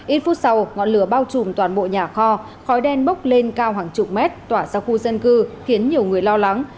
ít phút sau ngọn lửa bao trùm toàn bộ nhà kho khói đen bốc lên cao hàng chục mét tỏa ra khu dân cư khiến nhiều người lo lắng